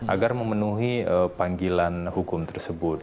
agar memenuhi panggilan hukum tersebut